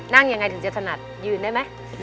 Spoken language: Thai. นั่งยังไงถึงจะถนัดยืนได้ไหม